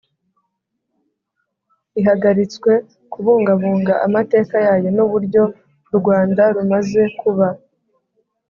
ihagaritswe kubungabunga amateka yayo n uburyo u Rwanda rumaze kuba